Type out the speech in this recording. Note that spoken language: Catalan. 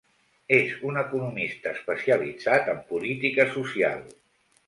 És un economista especialitzat en política social.